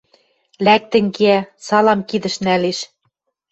Лӓктӹн кеӓ. Салам кидӹш нӓлеш